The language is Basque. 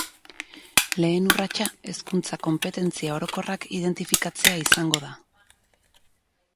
Lehen urratsa Hezkuntza konpetentzia orokorrak identifikatzea izango da.